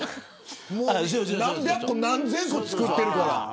何百個、何千個作ってるから。